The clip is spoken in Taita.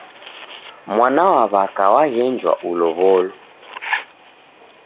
Mwana wa w'aka waghenjwa ulow'olo!